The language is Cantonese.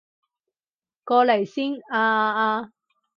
過嚟先啊啊啊